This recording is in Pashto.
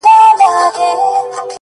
كلهناكله غلتيږي څــوك غوصه راځـي